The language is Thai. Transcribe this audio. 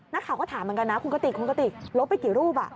นักข่าวก็ถามเหมือนกันนะคุณกติกคุณกติกลบไปกี่รูป